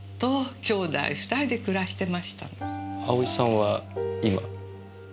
葵さんは今？